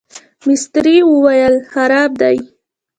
مستري وویل خراب دی.